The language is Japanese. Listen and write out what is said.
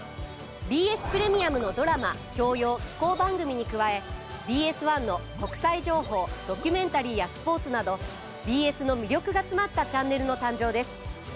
ＢＳプレミアムのドラマ教養紀行番組に加えＢＳ１の国際情報ドキュメンタリーやスポーツなどＢＳの魅力が詰まったチャンネルの誕生です。